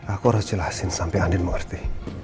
aku harus jelasin sampai andin mengerti